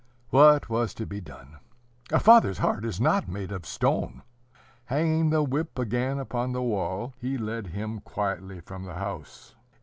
What was to be done? A father's heart is not made of stone. Hanging the whip again upon the wall, he led him quietly from the house.